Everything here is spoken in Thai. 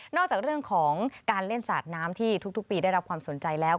จากเรื่องของการเล่นสาดน้ำที่ทุกปีได้รับความสนใจแล้ว